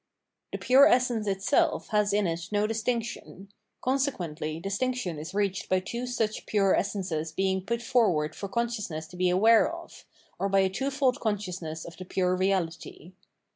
The pure essence itself has in it no distinction ; con sequently distinction is reached by two such pure essences being put forward for consciousness to be aware of, or by a twofold consciousness of the pure reahty.